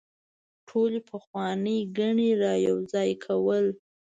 ټولې پخوانۍ ګڼې رايوځاي کول